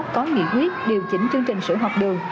có nghị quyết điều chỉnh chương trình sữa học đường